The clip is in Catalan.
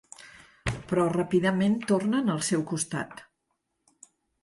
Però ràpidament tornen al seu costat.